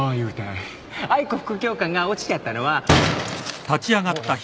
愛子副教官が落ちちゃったのは。